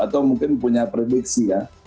atau mungkin punya prediksi ya